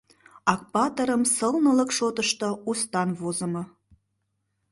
«Акпатырым» сылнылык шотышто устан возымо.